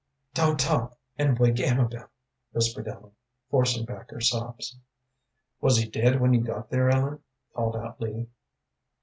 "Don't talk and wake Amabel," whispered Ellen, forcing back her sobs. "Was he dead when you got there, Ellen?" called out Lee.